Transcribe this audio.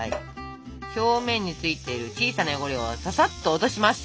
表面についてる小さな汚れをささっと落とします。